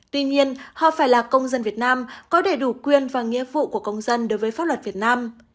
tuy nhiên họ phải là công dân việt nam có đầy đủ quyền và nghĩa vụ của công dân đối với pháp luật việt nam